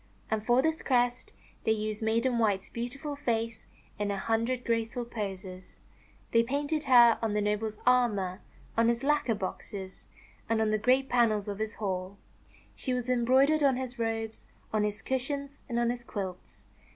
And for this crest they used Maiden White's beautiful face in a hundred graceful poses. They painted her on the noble's armour, on his lacquer THE WONDER GARDEN boxes, and on the great panels of his hall. She was embroidered on his robes, on his cushions, and on his quilts.